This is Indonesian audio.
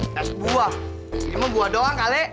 kas buah ini mah buah doang kali